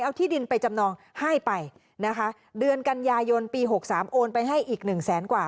เอาที่ดินไปจำนองให้ไปนะคะเดือนกันยายนปีหกสามโอนไปให้อีกหนึ่งแสนกว่า